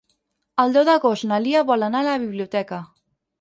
El deu d'agost na Lia vol anar a la biblioteca.